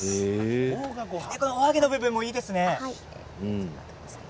お揚げの部分もいいですね。